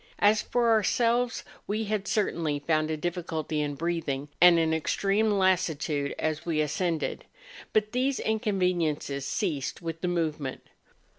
As for ourselves, we had, certainly, found a difficulty in breathing, and an extreme lassitude as we ascended ; but these inconveniences ceased with the movement.